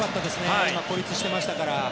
今、孤立してましたから。